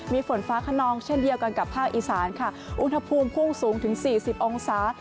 มีฝนฟ้าขนองเช่นเดียวกันกับภาคอีสานค่ะอุณหภูมิพุ่งสูงถึง๔๐องศา